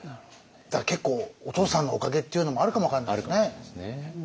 だから結構お父さんのおかげっていうのもあるかも分かんないですね。